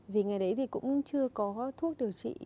vì ngày đấy thì cũng chưa có thuốc điều trị